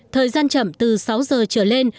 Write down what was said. thời gian chậm từ sáu giờ trở lên